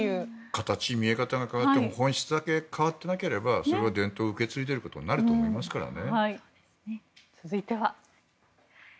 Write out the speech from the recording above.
形、見え方が変わっても本質だけ変わってなければそれは伝統を受け継いでいることになると思いますからね。